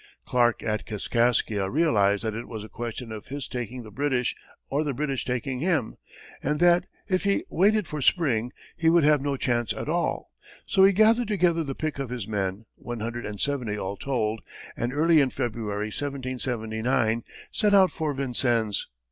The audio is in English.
Clark, at Kaskaskia, realized that it was a question of his taking the British or the British taking him, and that, if he waited for spring, he would have no chance at all; so he gathered together the pick of his men, one hundred and seventy all told, and early in February, 1779, set out for Vincennes.